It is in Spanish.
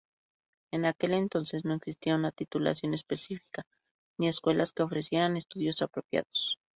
En aquel entonces no existía una titulación específica, ni escuelas que ofrecieran estudios apropiados.